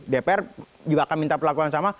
dpr juga akan minta perlakuan yang sama